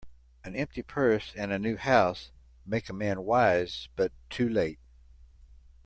An empty purse, and a new house, make a man wise, but too late.